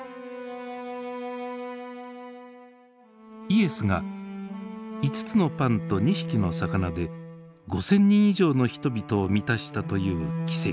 イエスが５つのパンと２匹の魚で５，０００人以上の人々を満たしたという奇跡。